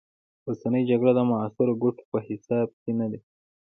اوسنۍ جګړې د معاصرو ګټو په حساب کې نه دي.